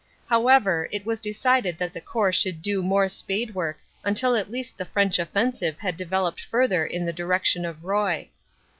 However, it was decided that the Corps should do more spade work until at least the French offensive had developed further in the direction of Roye.